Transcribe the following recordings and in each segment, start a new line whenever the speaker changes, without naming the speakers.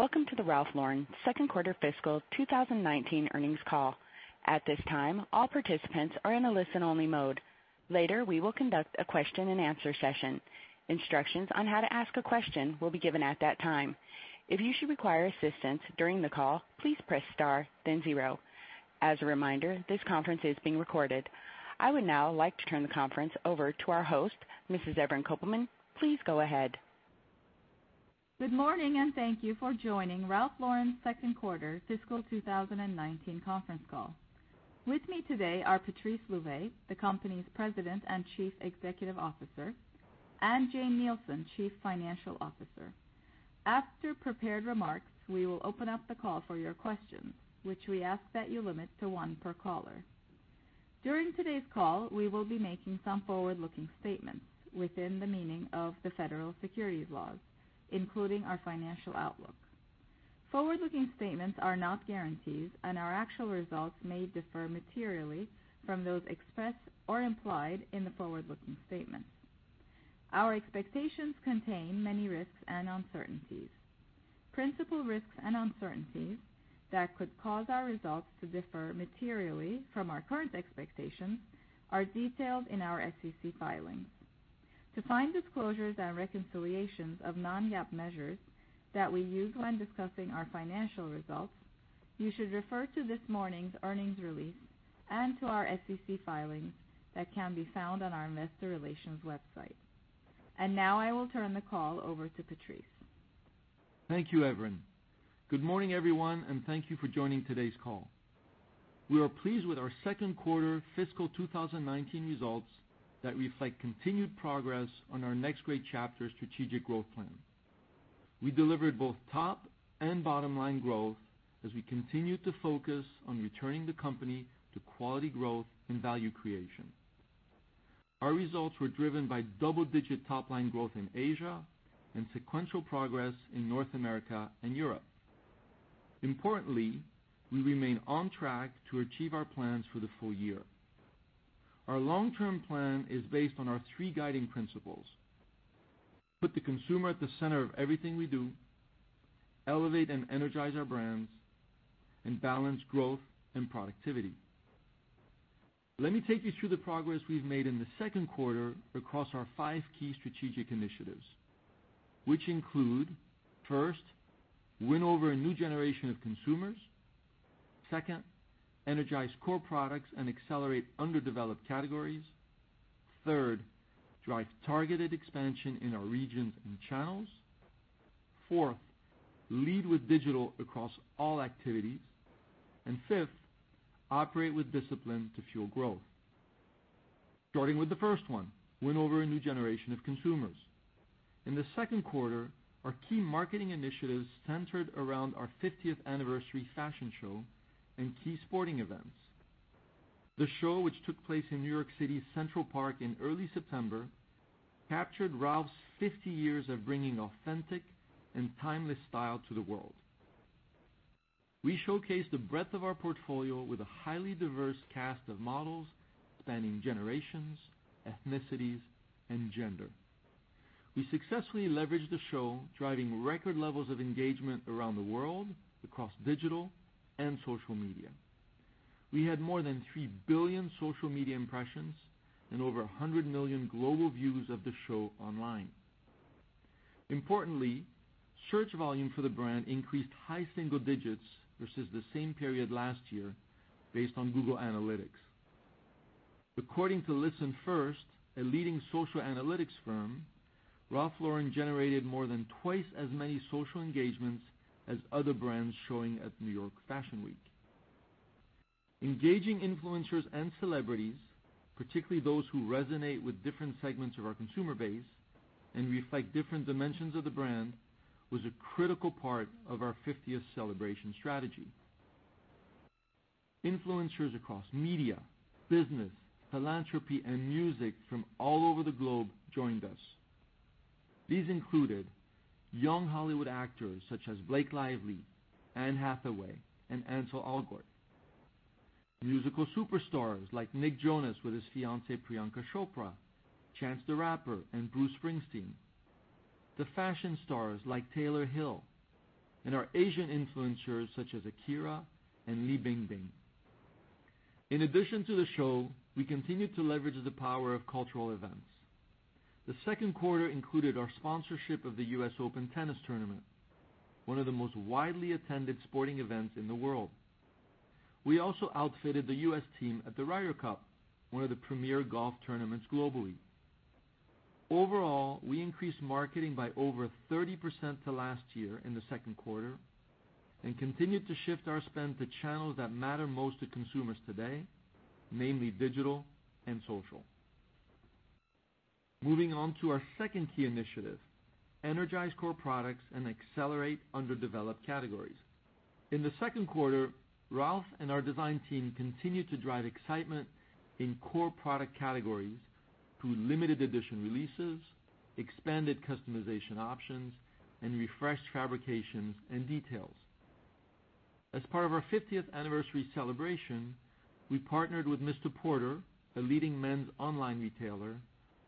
Welcome to the Ralph Lauren second quarter fiscal 2019 earnings call. At this time, all participants are in a listen-only mode. Later, we will conduct a question and answer session. Instructions on how to ask a question will be given at that time. If you should require assistance during the call, please press star then zero. As a reminder, this conference is being recorded. I would now like to turn the conference over to our host, Mrs. Evren Kopelman. Please go ahead.
Good morning, and thank you for joining Ralph Lauren's second quarter fiscal 2019 conference call. With me today are Patrice Louvet, the company's President and Chief Executive Officer, and Jane Nielsen, Chief Financial Officer. After prepared remarks, we will open up the call for your questions, which we ask that you limit to one per caller. During today's call, we will be making some forward-looking statements within the meaning of the Federal Securities laws, including our financial outlook. Forward-looking statements are not guarantees, and our actual results may differ materially from those expressed or implied in the forward-looking statements. Our expectations contain many risks and uncertainties. Principal risks and uncertainties that could cause our results to differ materially from our current expectations are detailed in our SEC filings. To find disclosures and reconciliations of non-GAAP measures that we use when discussing our financial results, you should refer to this morning's earnings release and to our SEC filings that can be found on our investor relations website. I will now turn the call over to Patrice.
Thank you, Evren. Good morning, everyone, and thank you for joining today's call. We are pleased with our second quarter fiscal 2019 results that reflect continued progress on our Next Great Chapter strategic growth plan. We delivered both top- and bottom-line growth as we continued to focus on returning the company to quality growth and value creation. Our results were driven by double-digit top-line growth in Asia and sequential progress in North America and Europe. Importantly, we remain on track to achieve our plans for the full year. Our long-term plan is based on our three guiding principles: put the consumer at the center of everything we do, elevate and energize our brands, and balance growth and productivity. Let me take you through the progress we've made in the second quarter across our five key strategic initiatives, which include, first, win over a new generation of consumers. Second, energize core products and accelerate underdeveloped categories. Third, drive targeted expansion in our regions and channels. Fourth, lead with digital across all activities. Fifth, operate with discipline to fuel growth. Starting with the first one, win over a new generation of consumers. In the second quarter, our key marketing initiatives centered around our 50th anniversary fashion show and key sporting events. The show, which took place in New York City's Central Park in early September, captured Ralph's 50 years of bringing authentic and timeless style to the world. We showcased the breadth of our portfolio with a highly diverse cast of models spanning generations, ethnicities, and gender. We successfully leveraged the show, driving record levels of engagement around the world across digital and social media. We had more than 3 billion social media impressions and over 100 million global views of the show online. Importantly, search volume for the brand increased high single digits versus the same period last year based on Google Analytics. According to ListenFirst, a leading social analytics firm, Ralph Lauren generated more than twice as many social engagements as other brands showing at New York Fashion Week. Engaging influencers and celebrities, particularly those who resonate with different segments of our consumer base and reflect different dimensions of the brand, was a critical part of our 50th celebration strategy. Influencers across media, business, philanthropy, and music from all over the globe joined us. These included young Hollywood actors such as Blake Lively, Anne Hathaway, and Ansel Elgort. Musical superstars like Nick Jonas with his fiancée Priyanka Chopra, Chance the Rapper, and Bruce Springsteen. The fashion stars like Taylor Hill, and our Asian influencers such as Akira and Li Bingbing. In addition to the show, we continued to leverage the power of cultural events. The second quarter included our sponsorship of the US Open tennis tournament, one of the most widely attended sporting events in the world. We also outfitted the U.S. team at the Ryder Cup, one of the premier golf tournaments globally. Overall, we increased marketing by over 30% to last year in the second quarter and continued to shift our spend to channels that matter most to consumers today, namely digital and social. Moving on to our second key initiative: energize core products and accelerate underdeveloped categories. In the second quarter, Ralph and our design team continued to drive excitement in core product categories through limited edition releases, expanded customization options, and refreshed fabrications and details. As part of our 50th anniversary celebration, we partnered with MR PORTER, a leading men's online retailer,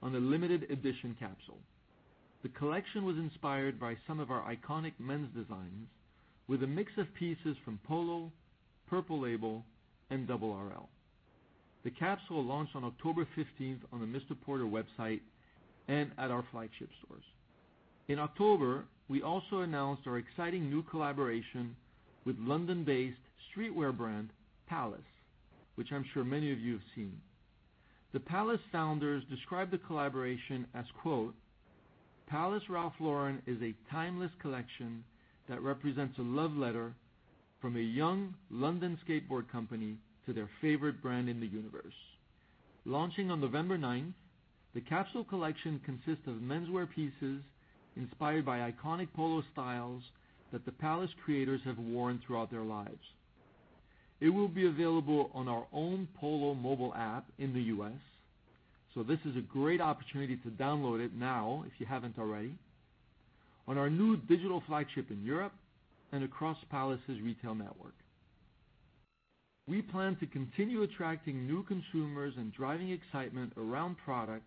on a limited edition capsule. The collection was inspired by some of our iconic men's designs with a mix of pieces from Polo, Purple Label, and Double RL. The capsule launched on October 15th on the MR PORTER website and at our flagship stores. In October, we also announced our exciting new collaboration with London-based streetwear brand, Palace, which I'm sure many of you have seen. The Palace founders describe the collaboration as, quote, "Palace/Ralph Lauren is a timeless collection that represents a love letter from a young London skateboard company to their favorite brand in the universe." Launching on November 9th, the capsule collection consists of menswear pieces inspired by iconic Polo styles that the Palace creators have worn throughout their lives. It will be available on our own Polo mobile app in the U.S., so this is a great opportunity to download it now if you haven't already, on our new digital flagship in Europe, and across Palace's retail network. We plan to continue attracting new consumers and driving excitement around product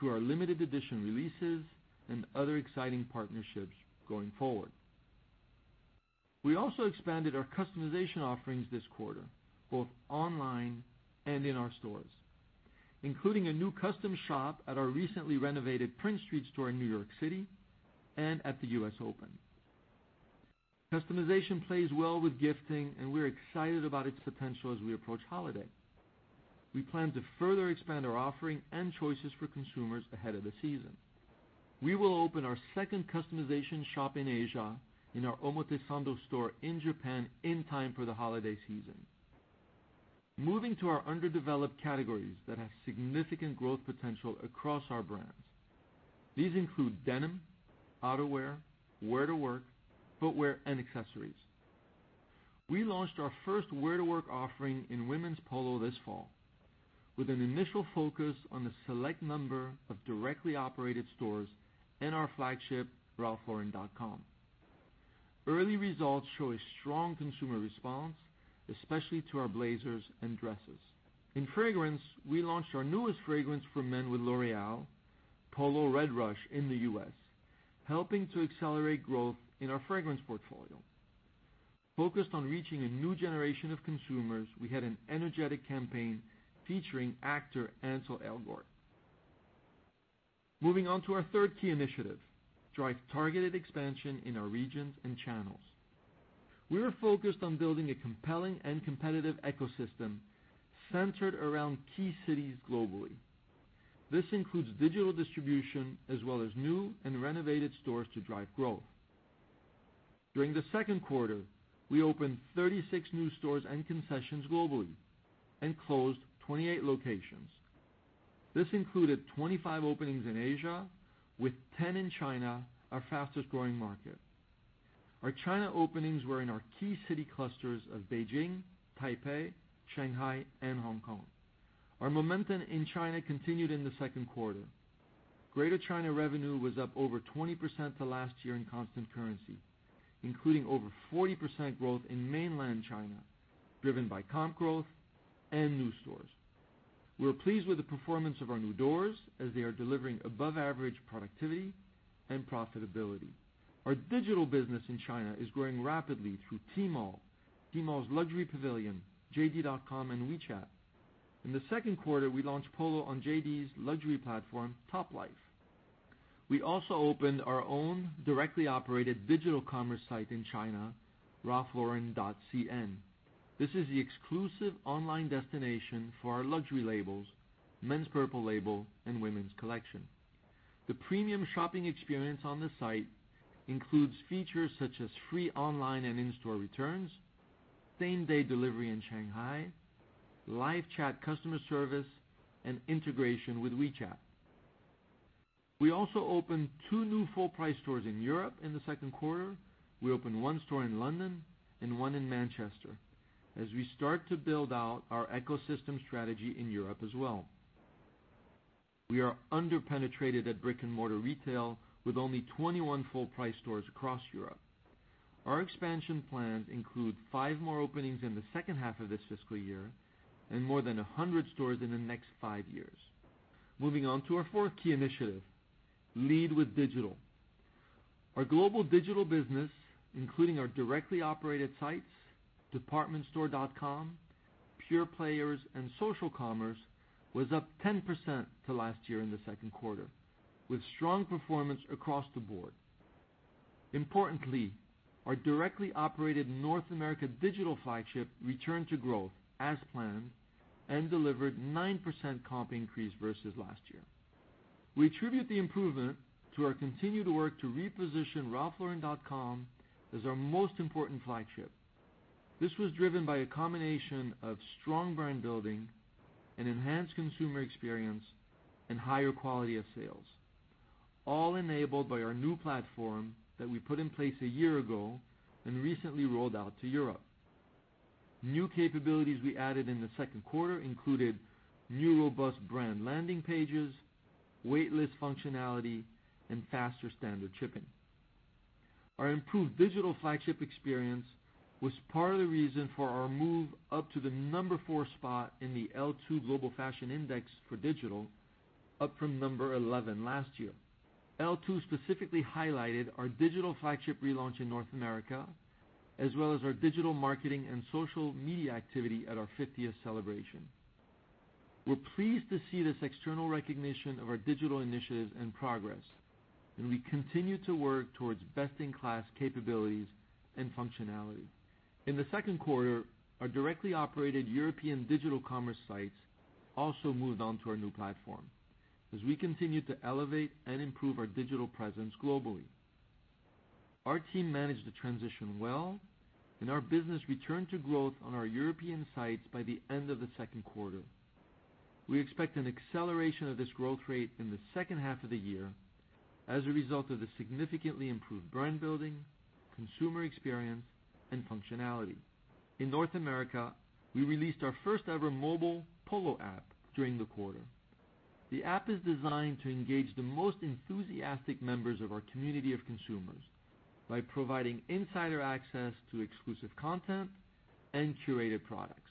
to our limited edition releases and other exciting partnerships going forward. We also expanded our customization offerings this quarter, both online and in our stores, including a new custom shop at our recently renovated Prince Street store in New York City and at the US Open. Customization plays well with gifting, and we're excited about its potential as we approach holiday. We plan to further expand our offering and choices for consumers ahead of the season. We will open our second customization shop in Asia in our Omotesando store in Japan in time for the holiday season. Moving to our underdeveloped categories that have significant growth potential across our brands. These include denim, outerwear, wear-to-work, footwear, and accessories. We launched our first wear-to-work offering in Women's Polo this fall, with an initial focus on a select number of directly operated stores and our flagship ralphlauren.com. Early results show a strong consumer response, especially to our blazers and dresses. In fragrance, we launched our newest fragrance for men with L'Oréal, Polo Red Rush, in the U.S., helping to accelerate growth in our fragrance portfolio. Focused on reaching a new generation of consumers, we had an energetic campaign featuring actor Ansel Elgort. Moving on to our third key initiative, drive targeted expansion in our regions and channels. We are focused on building a compelling and competitive ecosystem centered around key cities globally. This includes digital distribution as well as new and renovated stores to drive growth. During the second quarter, we opened 36 new stores and concessions globally and closed 28 locations. This included 25 openings in Asia, with 10 in China, our fastest-growing market. Our China openings were in our key city clusters of Beijing, Taipei, Shanghai, and Hong Kong. Our momentum in China continued in the second quarter. Greater China revenue was up over 20% to last year in constant currency, including over 40% growth in mainland China, driven by comp growth and new stores. We are pleased with the performance of our new doors as they are delivering above-average productivity and profitability. Our digital business in China is growing rapidly through Tmall's luxury pavilion, JD.com, and WeChat. In the second quarter, we launched Polo on JD's luxury platform, Toplife. We also opened our own directly operated digital commerce site in China, ralphlauren.cn. This is the exclusive online destination for our luxury labels, Men's Purple Label, and Women's Collection. The premium shopping experience on the site includes features such as free online and in-store returns, same-day delivery in Shanghai, live chat customer service, and integration with WeChat. We also opened two new full-price stores in Europe in the second quarter. We opened one store in London and one in Manchester as we start to build out our ecosystem strategy in Europe as well. We are under-penetrated at brick-and-mortar retail with only 21 full-price stores across Europe. Our expansion plans include five more openings in the second half of this fiscal year and more than 100 stores in the next five years. Moving on to our fourth key initiative, lead with digital. Our global digital business, including our directly operated sites, departmentstore.com, pure players, and social commerce, was up 10% to last year in the second quarter, with strong performance across the board. Importantly, our directly operated North America digital flagship returned to growth as planned and delivered 9% comp increase versus last year. We attribute the improvement to our continued work to reposition ralphlauren.com as our most important flagship. This was driven by a combination of strong brand building, an enhanced consumer experience, and higher quality of sales, all enabled by our new platform that we put in place a year ago and recently rolled out to Europe. New capabilities we added in the second quarter included new robust brand landing pages, waitlist functionality, and faster standard shipping. Our improved digital flagship experience was part of the reason for our move up to the number 4 spot in the L2 Global Fashion Index for digital, up from number 11 last year. L2 specifically highlighted our digital flagship relaunch in North America, as well as our digital marketing and social media activity at our 50th celebration. We're pleased to see this external recognition of our digital initiatives and progress, and we continue to work towards best-in-class capabilities and functionality. In the second quarter, our directly operated European digital commerce sites also moved on to our new platform as we continued to elevate and improve our digital presence globally. Our team managed the transition well, and our business returned to growth on our European sites by the end of the second quarter. We expect an acceleration of this growth rate in the second half of the year as a result of the significantly improved brand building, consumer experience, and functionality. In North America, we released our first ever mobile Polo app during the quarter. The app is designed to engage the most enthusiastic members of our community of consumers by providing insider access to exclusive content and curated products.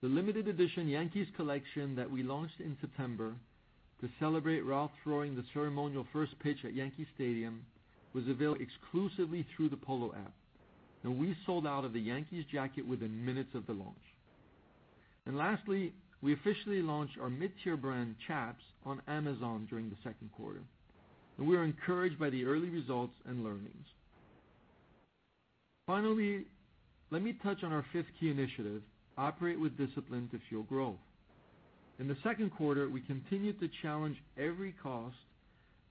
The limited edition Yankees collection that we launched in September to celebrate Ralph throwing the ceremonial first pitch at Yankee Stadium was available exclusively through the Polo app, and we sold out of the Yankees jacket within minutes of the launch. Lastly, we officially launched our mid-tier brand, Chaps, on Amazon during the second quarter, and we are encouraged by the early results and learnings. Finally, let me touch on our fifth key initiative: operate with discipline to fuel growth. In the second quarter, we continued to challenge every cost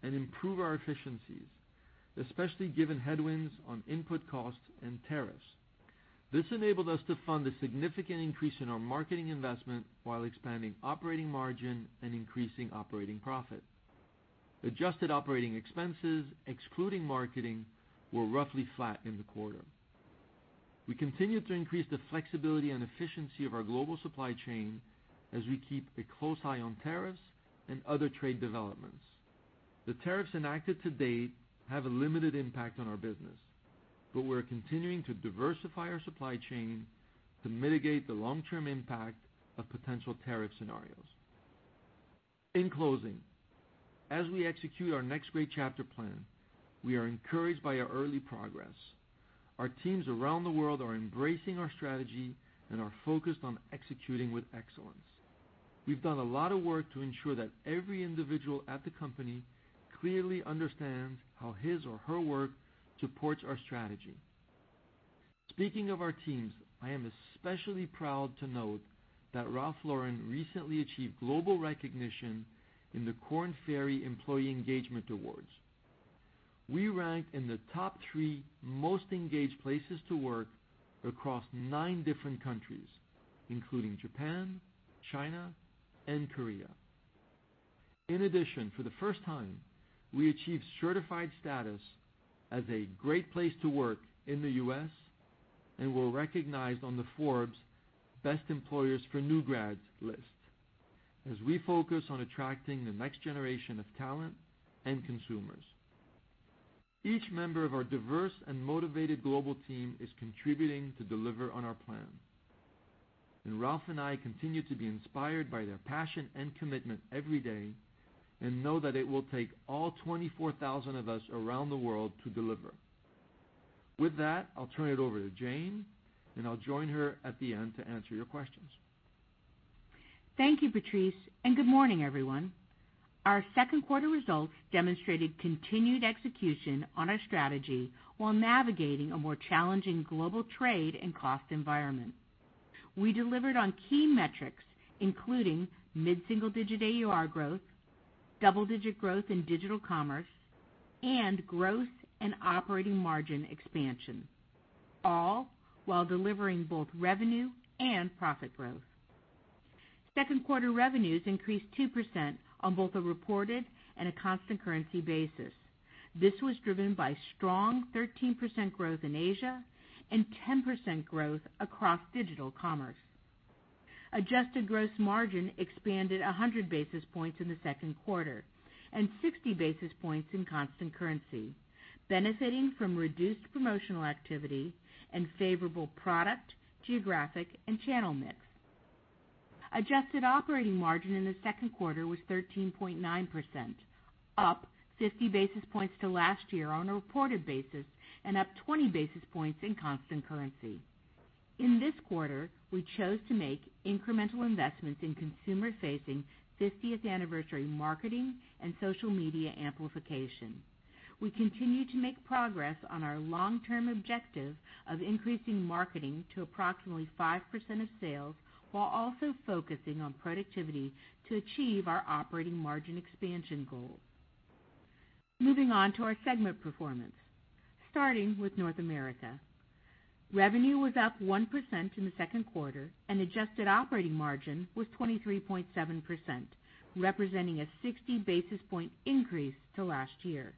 and improve our efficiencies, especially given headwinds on input costs and tariffs. This enabled us to fund a significant increase in our marketing investment while expanding operating margin and increasing operating profit. Adjusted operating expenses, excluding marketing, were roughly flat in the quarter. We continued to increase the flexibility and efficiency of our global supply chain as we keep a close eye on tariffs and other trade developments. The tariffs enacted to date have a limited impact on our business, but we're continuing to diversify our supply chain to mitigate the long-term impact of potential tariff scenarios. In closing, as we execute our Next Great Chapter plan, we are encouraged by our early progress. Our teams around the world are embracing our strategy and are focused on executing with excellence. We've done a lot of work to ensure that every individual at the company clearly understands how his or her work supports our strategy. Speaking of our teams, I am especially proud to note that Ralph Lauren recently achieved global recognition in the Korn Ferry Employee Engagement Awards. We ranked in the top three most engaged places to work across nine different countries, including Japan, China, and Korea. In addition, for the first time, we achieved certified status as a great place to work in the U.S. and were recognized on the Forbes Best Employers for New Grads list as we focus on attracting the next generation of talent and consumers. Each member of our diverse and motivated global team is contributing to deliver on our plan, Ralph and I continue to be inspired by their passion and commitment every day and know that it will take all 24,000 of us around the world to deliver. With that, I'll turn it over to Jane, I'll join her at the end to answer your questions.
Thank you, Patrice. Good morning, everyone. Our second quarter results demonstrated continued execution on our strategy while navigating a more challenging global trade and cost environment. We delivered on key metrics, including mid-single-digit AUR growth, double-digit growth in digital commerce, and growth and operating margin expansion, all while delivering both revenue and profit growth. Second quarter revenues increased 2% on both a reported and a constant currency basis. This was driven by strong 13% growth in Asia and 10% growth across digital commerce. Adjusted gross margin expanded 100 basis points in the second quarter and 60 basis points in constant currency, benefiting from reduced promotional activity and favorable product, geographic, and channel mix. Adjusted operating margin in the second quarter was 13.9%, up 50 basis points to last year on a reported basis and up 20 basis points in constant currency. In this quarter, we chose to make incremental investments in consumer-facing 50th anniversary marketing and social media amplification. We continue to make progress on our long-term objective of increasing marketing to approximately 5% of sales, while also focusing on productivity to achieve our operating margin expansion goal. Moving on to our segment performance, starting with North America. Revenue was up 1% in the second quarter, adjusted operating margin was 23.7%, representing a 60-basis-point increase to last year.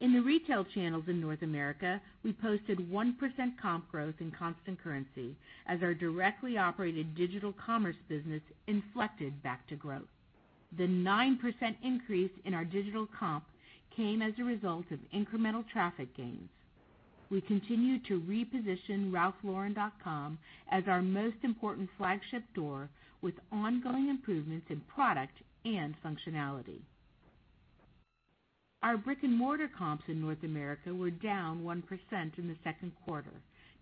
In the retail channels in North America, we posted 1% comp growth in constant currency as our directly operated digital commerce business inflected back to growth. The 9% increase in our digital comp came as a result of incremental traffic gains. We continue to reposition ralphlauren.com as our most important flagship store with ongoing improvements in product and functionality. Our brick-and-mortar comps in North America were down 1% in the second quarter,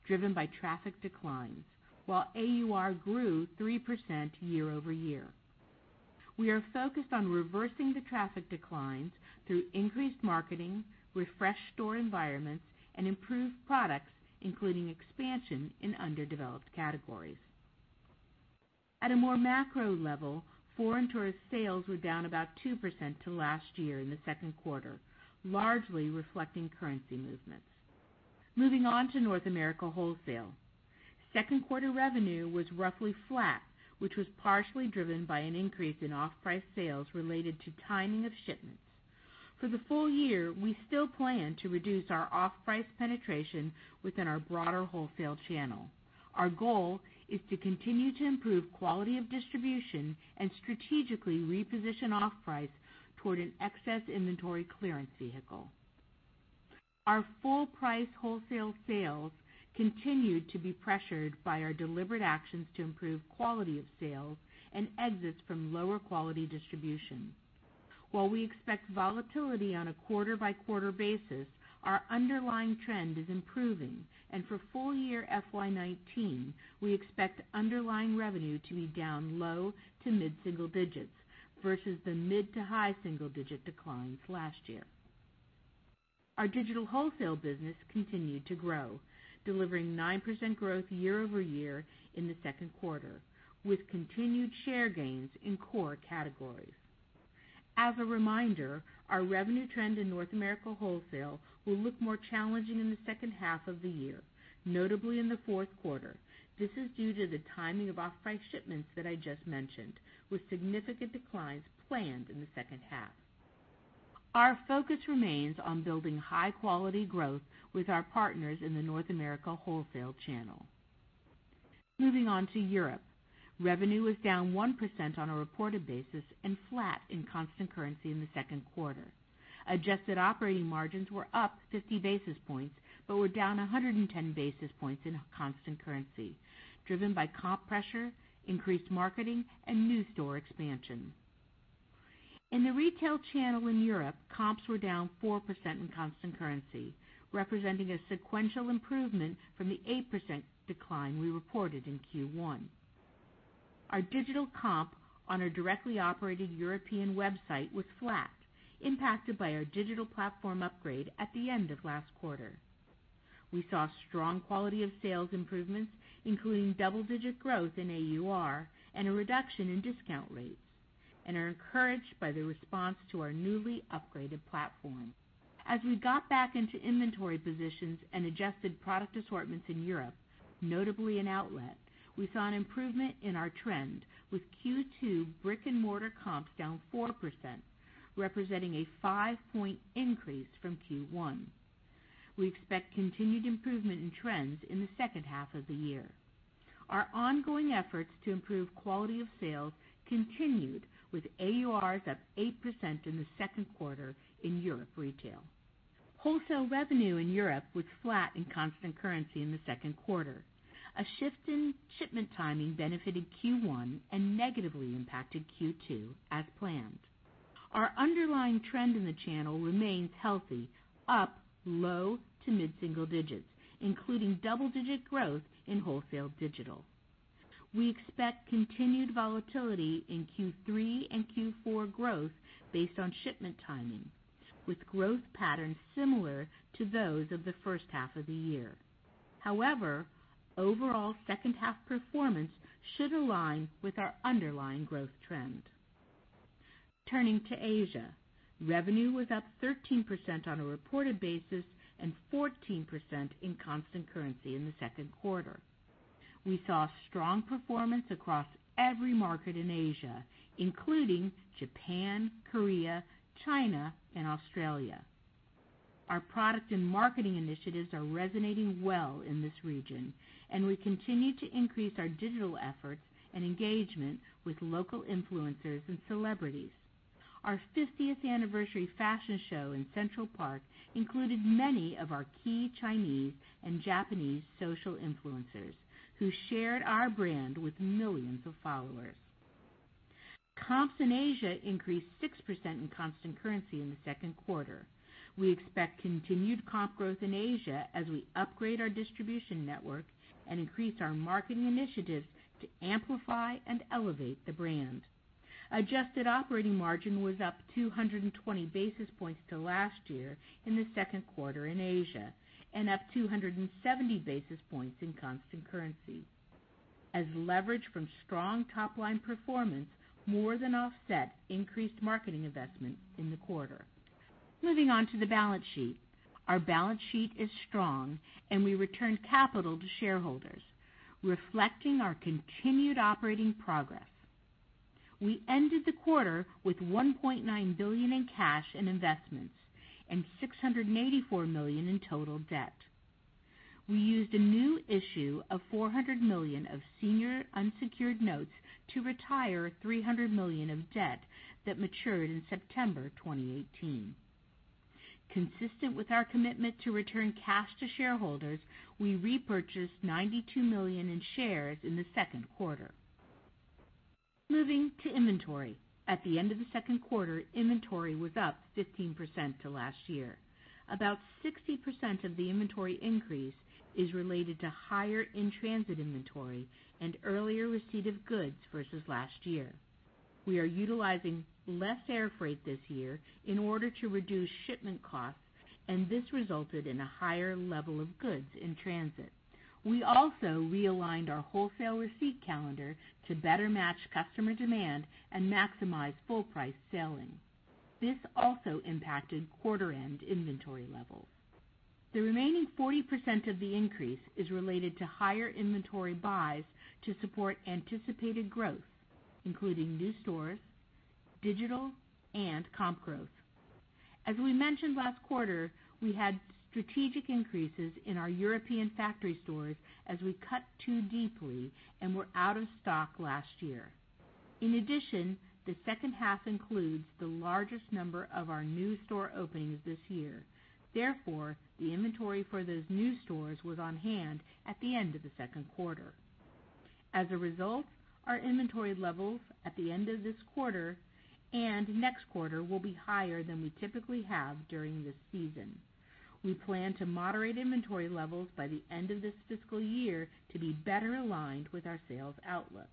driven by traffic declines, while AUR grew 3% year-over-year. We are focused on reversing the traffic declines through increased marketing, refreshed store environments, and improved products, including expansion in underdeveloped categories. At a more macro level, foreign tourist sales were down about 2% to last year in the second quarter, largely reflecting currency movements. Moving on to North America wholesale. Second quarter revenue was roughly flat, which was partially driven by an increase in off-price sales related to timing of shipments. For the full year, we still plan to reduce our off-price penetration within our broader wholesale channel. Our goal is to continue to improve quality of distribution and strategically reposition off-price toward an excess inventory clearance vehicle. Our full-price wholesale sales continued to be pressured by our deliberate actions to improve quality of sales and exits from lower quality distribution. While we expect volatility on a quarter-by-quarter basis, our underlying trend is improving. For full year FY '19, we expect underlying revenue to be down low to mid-single digits versus the mid to high single-digit declines last year. Our digital wholesale business continued to grow, delivering 9% growth year-over-year in the second quarter, with continued share gains in core categories. As a reminder, our revenue trend in North America wholesale will look more challenging in the second half of the year, notably in the fourth quarter. This is due to the timing of off-price shipments that I just mentioned, with significant declines planned in the second half. Our focus remains on building high-quality growth with our partners in the North America wholesale channel. Moving on to Europe. Revenue was down 1% on a reported basis and flat in constant currency in the second quarter. Adjusted operating margins were up 50 basis points, but were down 110 basis points in constant currency, driven by comp pressure, increased marketing, and new store expansion. In the retail channel in Europe, comps were down 4% in constant currency, representing a sequential improvement from the 8% decline we reported in Q1. Our digital comp on our directly operated European website was flat, impacted by our digital platform upgrade at the end of last quarter. We saw strong quality of sales improvements, including double-digit growth in AUR and a reduction in discount rates, and are encouraged by the response to our newly upgraded platform. As we got back into inventory positions and adjusted product assortments in Europe, notably in outlet, we saw an improvement in our trend with Q2 brick-and-mortar comps down 4%, representing a five-point increase from Q1. We expect continued improvement in trends in the second half of the year. Our ongoing efforts to improve quality of sales continued with AURs up 8% in the second quarter in Europe retail. Wholesale revenue in Europe was flat in constant currency in the second quarter. A shift in shipment timing benefited Q1 and negatively impacted Q2 as planned. Our underlying trend in the channel remains healthy, up low to mid-single digits, including double-digit growth in wholesale digital. We expect continued volatility in Q3 and Q4 growth based on shipment timing, with growth patterns similar to those of the first half of the year. However, overall second half performance should align with our underlying growth trend. Turning to Asia, revenue was up 13% on a reported basis and 14% in constant currency in the second quarter. We saw strong performance across every market in Asia, including Japan, Korea, China, and Australia. Our product and marketing initiatives are resonating well in this region, and we continue to increase our digital efforts and engagement with local influencers and celebrities. Our 50th anniversary fashion show in Central Park included many of our key Chinese and Japanese social influencers who shared our brand with millions of followers. Comps in Asia increased 6% in constant currency in the second quarter. We expect continued comp growth in Asia as we upgrade our distribution network and increase our marketing initiatives to amplify and elevate the brand. Adjusted operating margin was up 220 basis points to last year in the second quarter in Asia and up 270 basis points in constant currency, as leverage from strong top-line performance more than offset increased marketing investment in the quarter. Moving on to the balance sheet. Our balance sheet is strong, and we returned capital to shareholders, reflecting our continued operating progress. We ended the quarter with $1.9 billion in cash and investments and $684 million in total debt. We used a new issue of $400 million of senior unsecured notes to retire $300 million of debt that matured in September 2018. Consistent with our commitment to return cash to shareholders, we repurchased $92 million in shares in the second quarter. Moving to inventory. At the end of the second quarter, inventory was up 15% to last year. About 60% of the inventory increase is related to higher in-transit inventory and earlier receipt of goods versus last year. We are utilizing less air freight this year in order to reduce shipment costs, and this resulted in a higher level of goods in transit. We also realigned our wholesale receipt calendar to better match customer demand and maximize full price selling. This also impacted quarter-end inventory levels. The remaining 40% of the increase is related to higher inventory buys to support anticipated growth, including new stores, digital, and comp growth. As we mentioned last quarter, we had strategic increases in our European factory stores as we cut too deeply and were out of stock last year. In addition, the second half includes the largest number of our new store openings this year. Therefore, the inventory for those new stores was on hand at the end of the second quarter. As a result, our inventory levels at the end of this quarter and next quarter will be higher than we typically have during this season. We plan to moderate inventory levels by the end of this fiscal year to be better aligned with our sales outlook.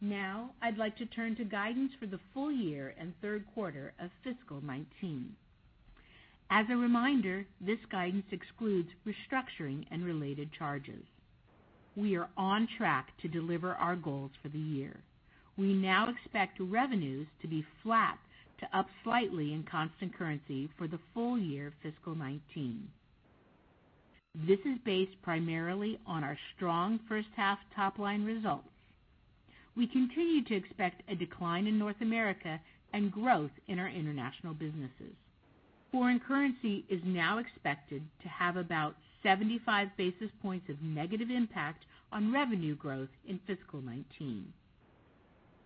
Now, I'd like to turn to guidance for the full year and third quarter of FY 2019. As a reminder, this guidance excludes restructuring and related charges. We are on track to deliver our goals for the year. We now expect revenues to be flat to up slightly in constant currency for the full year FY 2019. This is based primarily on our strong first half top-line results. We continue to expect a decline in North America and growth in our international businesses. Foreign currency is now expected to have about 75 basis points of negative impact on revenue growth in FY 2019.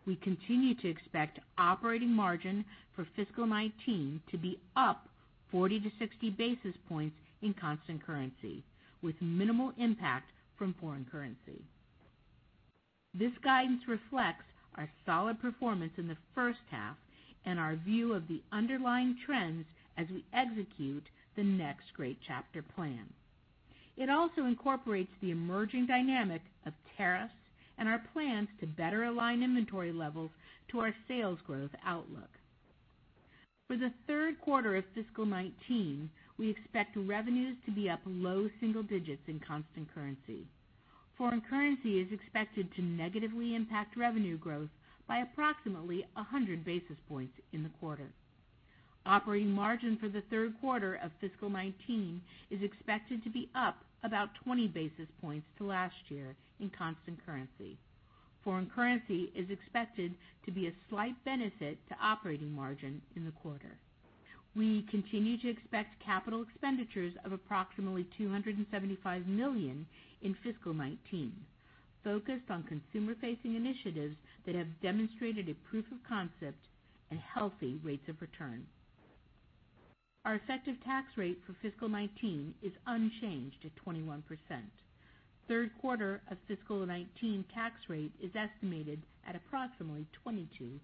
We continue to expect operating margin for FY 2019 to be up 40-60 basis points in constant currency, with minimal impact from foreign currency. This guidance reflects our solid performance in the first half and our view of the underlying trends as we execute the Next Great Chapter plan. It also incorporates the emerging dynamic of tariffs and our plans to better align inventory levels to our sales growth outlook. For the third quarter of FY 2019, we expect revenues to be up low single digits in constant currency. Foreign currency is expected to negatively impact revenue growth by approximately 100 basis points in the quarter. Operating margin for the third quarter of FY 2019 is expected to be up about 20 basis points to last year in constant currency. Foreign currency is expected to be a slight benefit to operating margin in the quarter. We continue to expect capital expenditures of approximately $275 million in FY 2019, focused on consumer-facing initiatives that have demonstrated a proof of concept and healthy rates of return. Our effective tax rate for FY 2019 is unchanged at 21%. Third quarter of FY 2019 tax rate is estimated at approximately 22%-23%.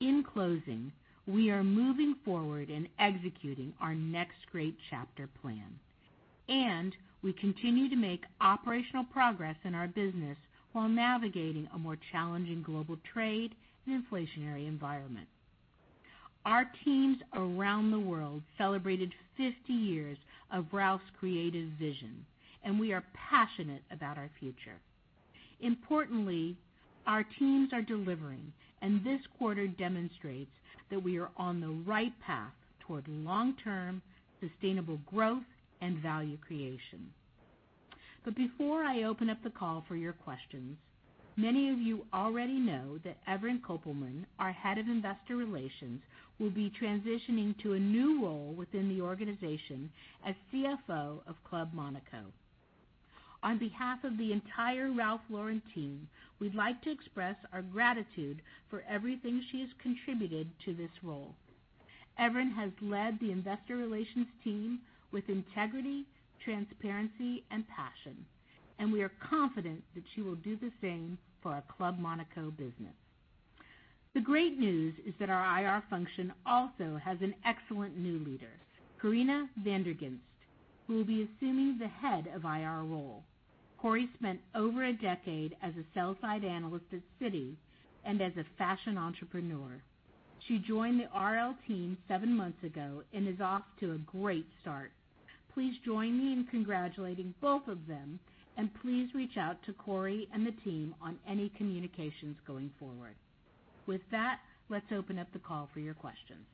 In closing, we are moving forward and executing our Next Great Chapter plan, and we continue to make operational progress in our business while navigating a more challenging global trade and inflationary environment. Our teams around the world celebrated 50 years of Ralph's creative vision, and we are passionate about our future. Importantly, our teams are delivering, and this quarter demonstrates that we are on the right path toward long-term sustainable growth and value creation. Before I open up the call for your questions, many of you already know that Evren Kopelman, our head of Investor Relations, will be transitioning to a new role within the organization as CFO of Club Monaco. On behalf of the entire Ralph Lauren team, we'd like to express our gratitude for everything she has contributed to this role. Evren has led the Investor Relations team with integrity, transparency, and passion, and we are confident that she will do the same for our Club Monaco business. The great news is that our IR function also has an excellent new leader, Corinna Van der Ghinst, who will be assuming the Head of IR role. Cori spent over a decade as a sell-side analyst at Citi and as a fashion entrepreneur. She joined the RL team seven months ago and is off to a great start. Please join me in congratulating both of them, and please reach out to Cori and the team on any communications going forward. With that, let's open up the call for your questions.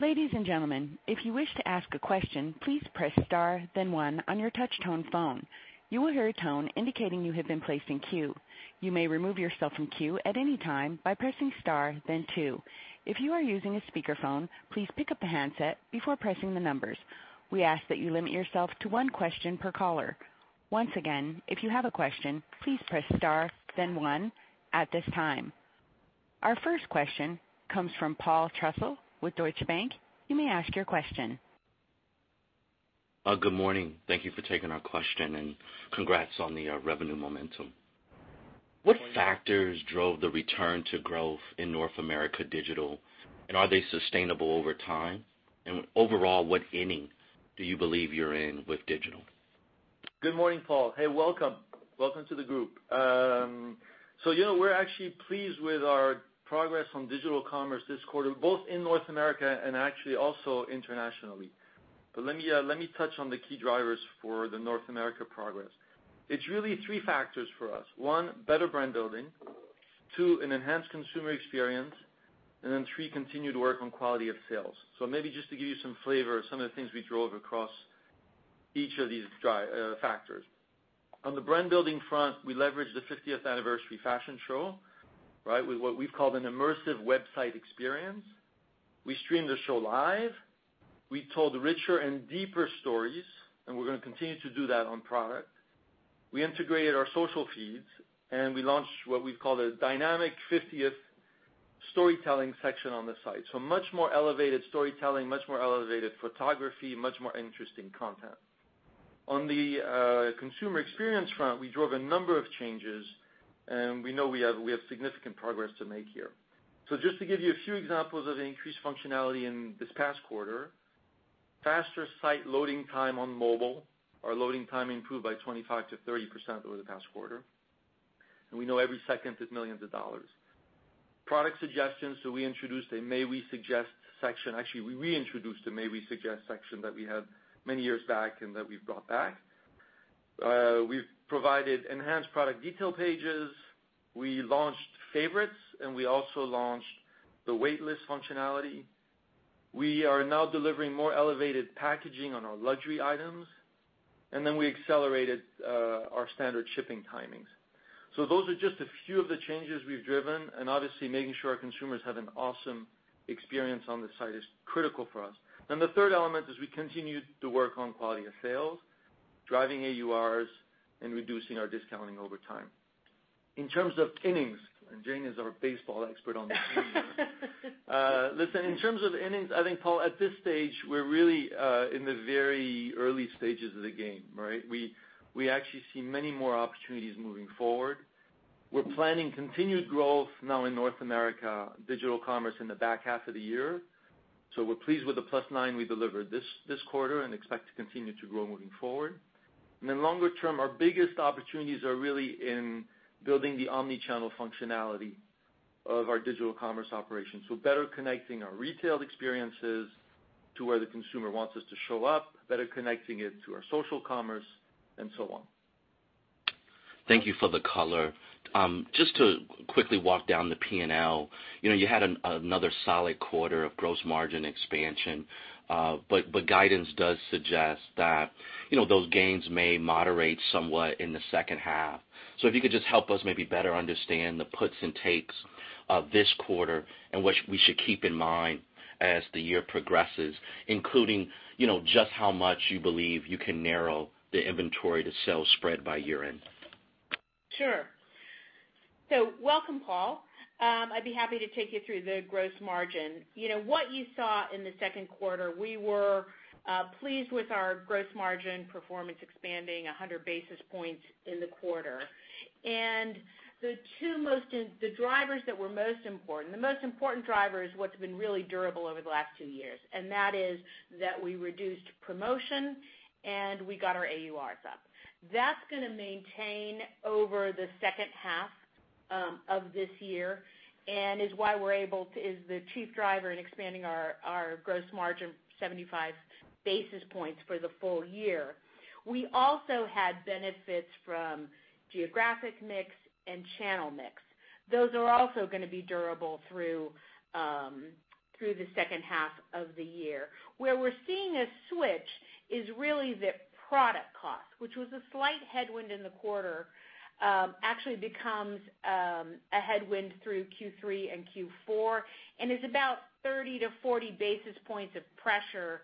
Ladies and gentlemen, if you wish to ask a question, please press Star, then One on your touch-tone phone. You will hear a tone indicating you have been placed in queue. You may remove yourself from queue at any time by pressing Star, then Two. If you are using a speakerphone, please pick up the handset before pressing the numbers. We ask that you limit yourself to one question per caller. Once again, if you have a question, please press Star, then One at this time. Our first question comes from Paul Trussell with Deutsche Bank. You may ask your question.
Good morning. Thank you for taking our question. Congrats on the revenue momentum. What factors drove the return to growth in North America Digital? Are they sustainable over time? Overall, what inning do you believe you're in with digital?
Good morning, Paul. Hey, welcome. Welcome to the group. We're actually pleased with our progress on digital commerce this quarter, both in North America and actually also internationally. Let me touch on the key drivers for the North America progress. It's really three factors for us. One, better brand building. Two, an enhanced consumer experience. Then three, continued work on quality of sales. Maybe just to give you some flavor of some of the things we drove across each of these factors. On the brand-building front, we leveraged the 50th anniversary fashion show with what we've called an immersive website experience. We streamed the show live, we told richer and deeper stories. We're going to continue to do that on product. We integrated our social feeds. We launched what we've called a dynamic 50th storytelling section on the site. Much more elevated storytelling, much more elevated photography, much more interesting content. On the consumer experience front, we drove a number of changes. We know we have significant progress to make here. Just to give you a few examples of increased functionality in this past quarter, faster site loading time on mobile. Our loading time improved by 25%-30% over the past quarter. We know every second is millions of dollars. Product suggestions, we introduced a may we suggest section. Actually, we reintroduced a may we suggest section that we had many years back and that we've brought back. We've provided enhanced product detail pages. We launched favorites. We also launched the wait list functionality. We are now delivering more elevated packaging on our luxury items. Then we accelerated our standard shipping timings. Those are just a few of the changes we've driven, and obviously making sure our consumers have an awesome experience on the site is critical for us. The third element is we continued to work on quality of sales, driving AURs, and reducing our discounting over time. In terms of innings, Jane is our baseball expert on the team here. Listen, in terms of innings, I think, Paul, at this stage, we're really in the very early stages of the game, right? We actually see many more opportunities moving forward. We're planning continued growth now in North America digital commerce in the back half of the year. We're pleased with the plus nine we delivered this quarter and expect to continue to grow moving forward. Longer term, our biggest opportunities are really in building the omni-channel functionality of our digital commerce operations. Better connecting our retail experiences to where the consumer wants us to show up, better connecting it to our social commerce, and so on.
Thank you for the color. Just to quickly walk down the P&L. You had another solid quarter of gross margin expansion. Guidance does suggest that those gains may moderate somewhat in the second half. If you could just help us maybe better understand the puts and takes of this quarter and what we should keep in mind as the year progresses, including just how much you believe you can narrow the inventory to sales spread by year-end.
Sure. Welcome, Paul. I'd be happy to take you through the gross margin. What you saw in the second quarter, we were pleased with our gross margin performance expanding 100 basis points in the quarter. The drivers that were most important, the most important driver is what's been really durable over the last two years, and that is that we reduced promotion and we got our AURs up. That's going to maintain over the second half of this year and is the chief driver in expanding our gross margin 75 basis points for the full year. We also had benefits from geographic mix and channel mix. Those are also going to be durable through the second half of the year. Where we're seeing a switch is really the product cost, which was a slight headwind in the quarter, actually becomes a headwind through Q3 and Q4 and is about 30 to 40 basis points of pressure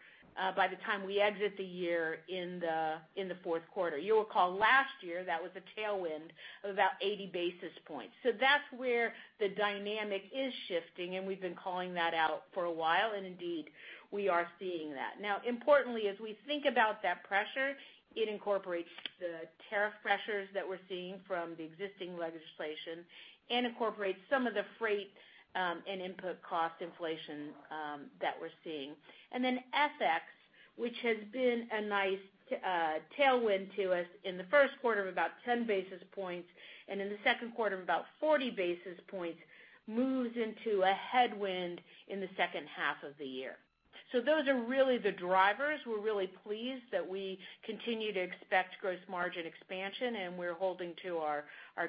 by the time we exit the year in the fourth quarter. You'll recall last year, that was a tailwind of about 80 basis points. That's where the dynamic is shifting, and we've been calling that out for a while, and indeed, we are seeing that. Importantly, as we think about that pressure, it incorporates the tariff pressures that we're seeing from the existing legislation and incorporates some of the freight and input cost inflation that we're seeing. FX, which has been a nice tailwind to us in the first quarter of about 10 basis points and in the second quarter of about 40 basis points, moves into a headwind in the second half of the year. Those are really the drivers. We're really pleased that we continue to expect gross margin expansion, and we're holding to our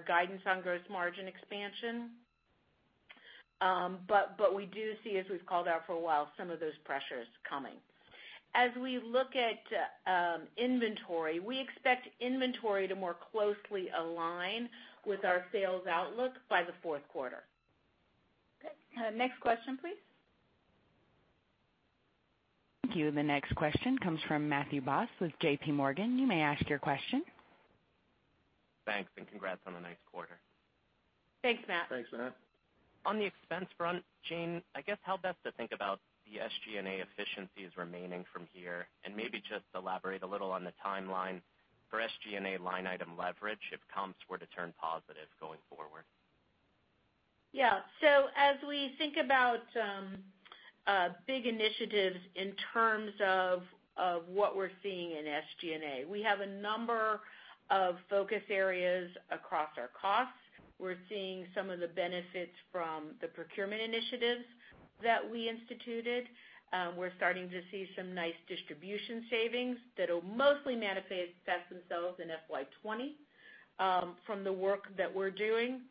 guidance on gross margin expansion. But we do see, as we've called out for a while, some of those pressures coming. As we look at inventory, we expect inventory to more closely align with our sales outlook by the fourth quarter.
Next question, please.
Thank you. The next question comes from Matthew Boss with JPMorgan. You may ask your question.
Thanks, congrats on a nice quarter.
Thanks, Matt.
Thanks, Matt.
On the expense front, Jane, I guess how best to think about the SG&A efficiencies remaining from here, maybe just elaborate a little on the timeline for SG&A line item leverage if comps were to turn positive going forward.
As we think about big initiatives in terms of what we're seeing in SG&A, we have a number of focus areas across our costs. We're seeing some of the benefits from the procurement initiatives that we instituted. We're starting to see some nice distribution savings that'll mostly manifest themselves in FY 2020 from the work that we're doing,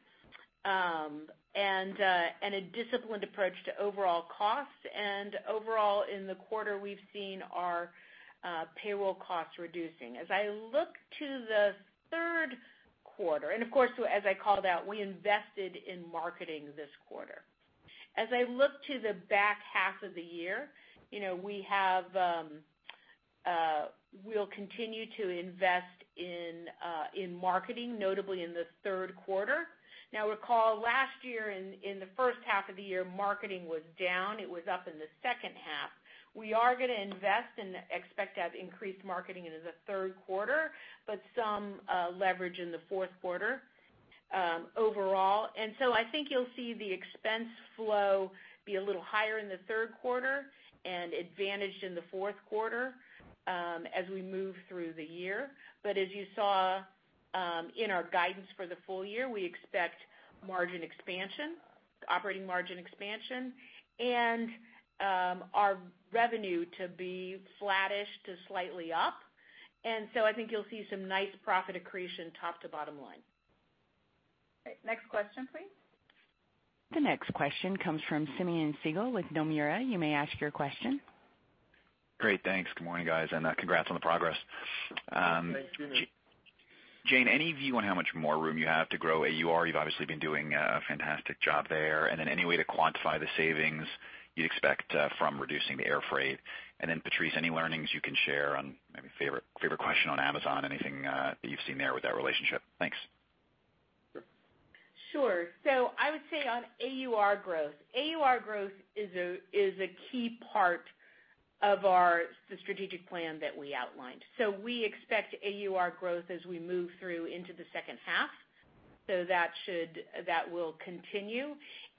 and a disciplined approach to overall costs. Overall, in the quarter, we've seen our payroll costs reducing. As I look to the third quarter, of course, as I called out, we invested in marketing this quarter. As I look to the back half of the year, we'll continue to invest in marketing, notably in the third quarter. Recall last year in the first half of the year, marketing was down. It was up in the second half. We are going to invest and expect to have increased marketing into the third quarter, some leverage in the fourth quarter overall. I think you'll see the expense flow be a little higher in the third quarter and advantaged in the fourth quarter as we move through the year. As you saw in our guidance for the full year, we expect margin expansion, operating margin expansion, and our revenue to be flattish to slightly up. I think you'll see some nice profit accretion top to bottom line.
Next question, please.
The next question comes from Simeon Siegel with Nomura. You may ask your question.
Great, thanks. Good morning, guys. Congrats on the progress.
Thanks, Simeon.
Jane, any view on how much more room you have to grow AUR? You've obviously been doing a fantastic job there. Any way to quantify the savings you'd expect from reducing the air freight. Patrice, any learnings you can share on maybe favorite question on Amazon, anything that you've seen there with that relationship? Thanks.
Sure. I would say on AUR growth, AUR growth is a key part of our strategic plan that we outlined. We expect AUR growth as we move through into the second half. That will continue.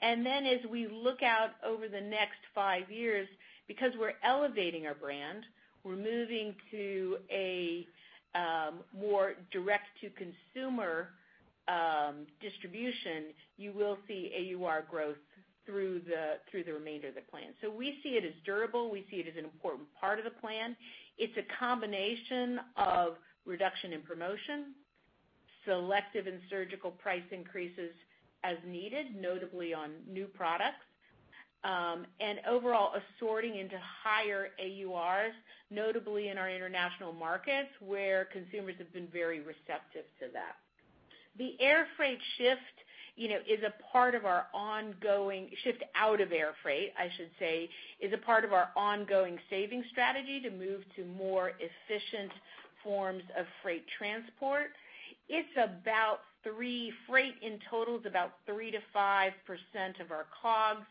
As we look out over the next five years, because we're elevating our brand, we're moving to a more direct-to-consumer distribution, you will see AUR growth through the remainder of the plan. We see it as durable. We see it as an important part of the plan. It's a combination of reduction in promotion, selective and surgical price increases as needed, notably on new products, and overall assorting into higher AURs, notably in our international markets, where consumers have been very receptive to that. The air freight shift is a part of our ongoing shift out of air freight, I should say, is a part of our ongoing savings strategy to move to more efficient forms of freight transport. Freight, in total, is about 3%-5% of our COGS.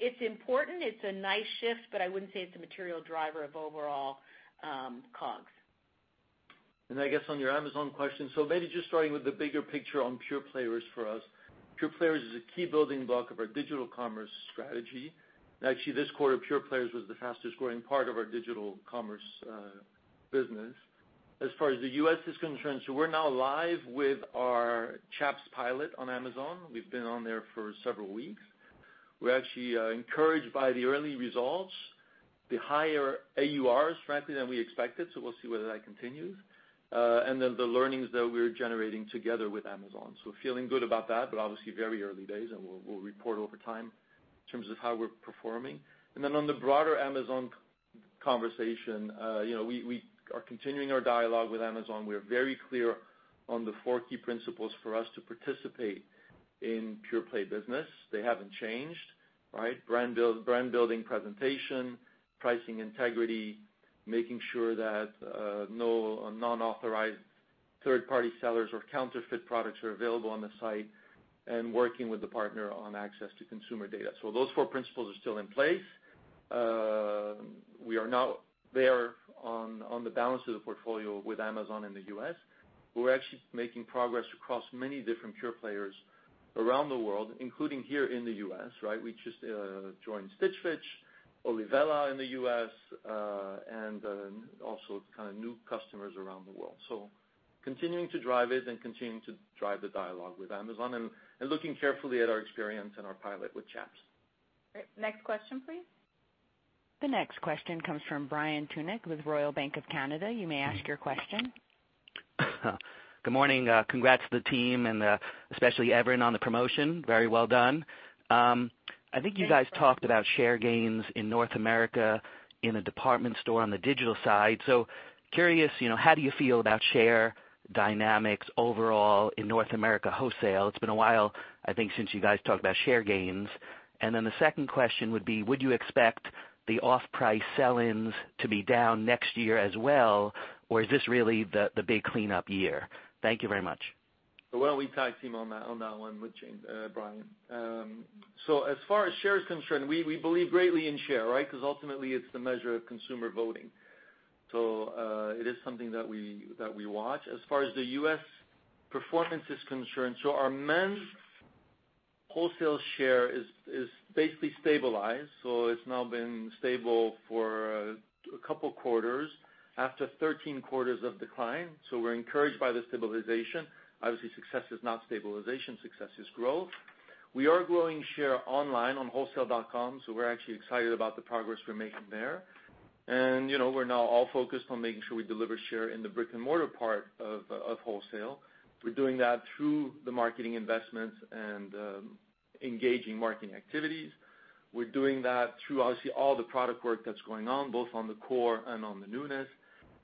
It's important. It's a nice shift, but I wouldn't say it's a material driver of overall COGS.
I guess on your Amazon question, so maybe just starting with the bigger picture on pure players for us. Pure players is a key building block of our digital commerce strategy. Actually, this quarter, pure players was the fastest-growing part of our digital commerce business. As far as the U.S. is concerned, so we're now live with our Chaps pilot on Amazon. We've been on there for several weeks. We're actually encouraged by the early results, the higher AURs, frankly, than we expected, so we'll see whether that continues. Then the learnings that we're generating together with Amazon. So we're feeling good about that, but obviously very early days, and we'll report over time in terms of how we're performing. Then on the broader Amazon conversation, we are continuing our dialogue with Amazon. We are very clear on the four key principles for us to participate in pure play business. They haven't changed, right? Brand building presentation, pricing integrity, making sure that no non-authorized third-party sellers or counterfeit products are available on the site, and working with the partner on access to consumer data. So those four principles are still in place. We are now there on the balance of the portfolio with Amazon in the U.S. We're actually making progress across many different pure players around the world, including here in the U.S., right? We just joined Stitch Fix, Olivela in the U.S., and also kind of new customers around the world. So continuing to drive it and continuing to drive the dialogue with Amazon and looking carefully at our experience and our pilot with Chaps.
Great. Next question, please.
The next question comes from Brian Tunick with Royal Bank of Canada. You may ask your question.
Good morning. Congrats to the team, and especially Evren on the promotion. Very well done. Curious, how do you feel about share dynamics overall in North America wholesale? It's been a while, I think, since you guys talked about share gains. The second question would be, would you expect the off-price sell-ins to be down next year as well, or is this really the big cleanup year? Thank you very much.
Why don't we tag team on that one with Jane, Brian? As far as share is concerned, we believe greatly in share, right? Because ultimately, it's the measure of consumer voting. It is something that we watch as far as the U.S. performance is concerned. Our men's wholesale share is basically stabilized. It's now been stable for a couple of quarters after 13 quarters of decline. We're encouraged by the stabilization. Obviously, success is not stabilization. Success is growth. We are growing share online on wholesale.com, we're actually excited about the progress we're making there. We're now all focused on making sure we deliver share in the brick-and-mortar part of wholesale. We're doing that through the marketing investments and engaging marketing activities. We're doing that through, obviously, all the product work that's going on, both on the core and on the newness,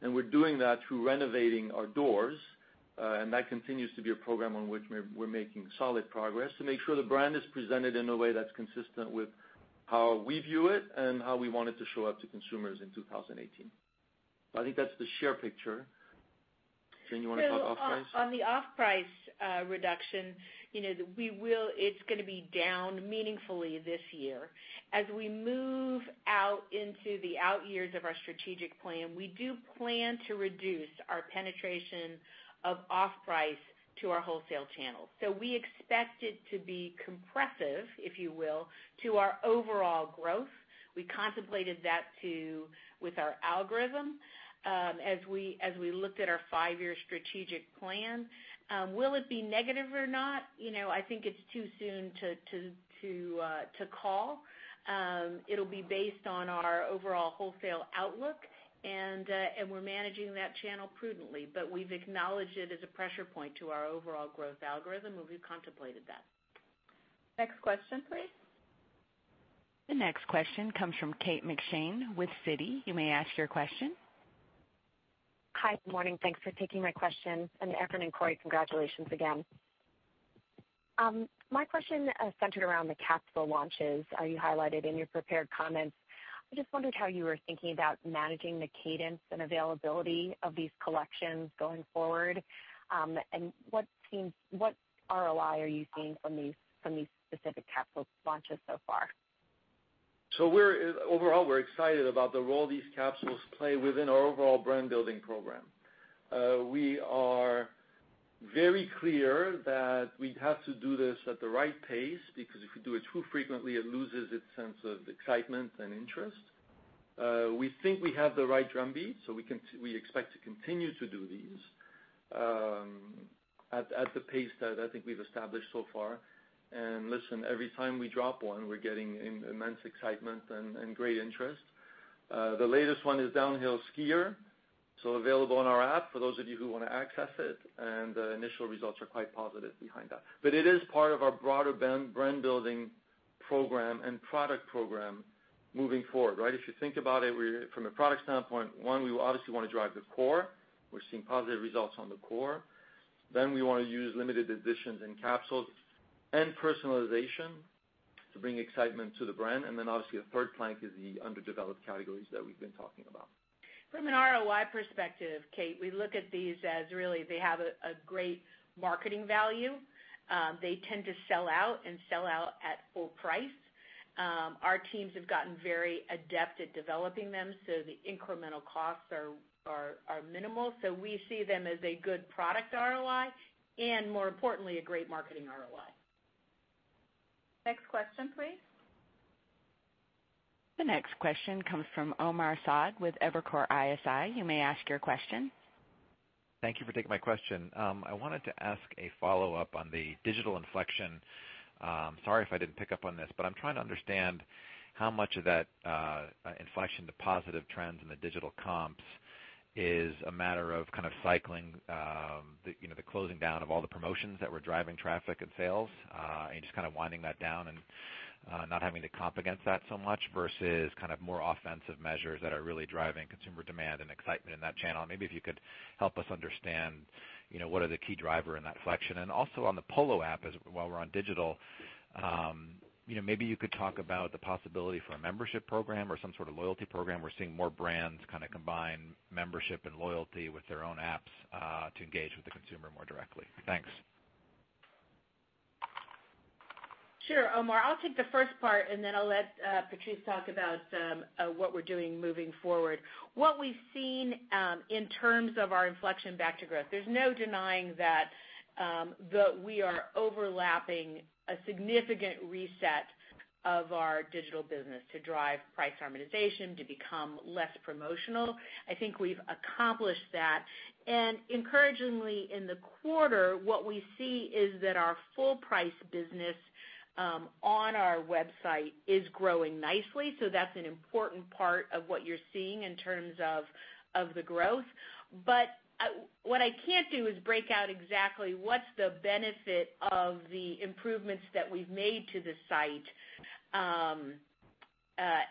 and we're doing that through renovating our doors. That continues to be a program on which we're making solid progress to make sure the brand is presented in a way that's consistent with how we view it and how we want it to show up to consumers in 2018. I think that's the share picture. Jane, you want to talk off-price?
On the off-price reduction, it's gonna be down meaningfully this year. As we move out into the out years of our strategic plan, we do plan to reduce our penetration of off-price to our wholesale channel. We expect it to be compressive, if you will, to our overall growth. We contemplated that too with our algorithm, as we looked at our five-year strategic plan. Will it be negative or not? I think it's too soon to call. It'll be based on our overall wholesale outlook, and we're managing that channel prudently, but we've acknowledged it as a pressure point to our overall growth algorithm, and we've contemplated that.
Next question please. The next question comes from Kate McShane with Citi. You may ask your question.
Hi. Good morning. Thanks for taking my question. Evren and Cori, congratulations again. My question centered around the capsule launches you highlighted in your prepared comments. I just wondered how you were thinking about managing the cadence and availability of these collections going forward. What ROI are you seeing from these specific capsule launches so far?
Overall, we're excited about the role these capsules play within our overall brand-building program. We are very clear that we have to do this at the right pace, because if we do it too frequently, it loses its sense of excitement and interest. We think we have the right drumbeat, we expect to continue to do these at the pace that I think we've established so far. Listen, every time we drop one, we're getting immense excitement and great interest. The latest one is Downhill Skier, available on our app for those of you who want to access it, and the initial results are quite positive behind that. It is part of our broader brand-building program and product program moving forward, right? If you think about it from a product standpoint, one, we obviously want to drive the core. We're seeing positive results on the core. We want to use limited editions and capsules and personalization to bring excitement to the brand. Obviously the third plank is the underdeveloped categories that we've been talking about.
From an ROI perspective, Kate, we look at these as really they have a great marketing value. They tend to sell out and sell out at full price. Our teams have gotten very adept at developing them, so the incremental costs are minimal. We see them as a good product ROI, and more importantly, a great marketing ROI.
Next question please. The next question comes from Omar Saad with Evercore ISI. You may ask your question.
Thank you for taking my question. I wanted to ask a follow-up on the digital inflection. Sorry if I didn't pick up on this, but I'm trying to understand how much of that inflection, the positive trends in the digital comps is a matter of cycling the closing down of all the promotions that were driving traffic and sales, and just winding that down and not having to comp against that so much versus more offensive measures that are really driving consumer demand and excitement in that channel. If you could help us understand what are the key drivers in that inflection. Also on the Polo app, while we're on digital, you could talk about the possibility for a membership program or some sort of loyalty program. We're seeing more brands combine membership and loyalty with their own apps, to engage with the consumer more directly. Thanks.
Sure, Omar. I'll take the first part, and then I'll let Patrice talk about what we're doing moving forward. What we've seen in terms of our inflection back to growth, there's no denying that we are overlapping a significant reset of our digital business to drive price harmonization, to become less promotional. I think we've accomplished that. Encouragingly in the quarter, what we see is that our full price business on our website is growing nicely. That's an important part of what you're seeing in terms of the growth. What I can't do is break out exactly what's the benefit of the improvements that we've made to the site,